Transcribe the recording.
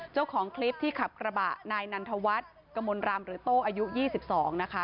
เจ้าของคลิปที่ขับกระบะนายนันทวัฒน์กระมวลรำหรือโต้อายุ๒๒นะคะ